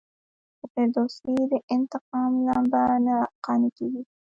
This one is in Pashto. د فردوسي د انتقام لمبه نه قانع کیږي.